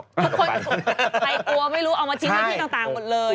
ใครกลัวไม่รู้เอามาชิ้นเครื่องได้ต่างหมดเลย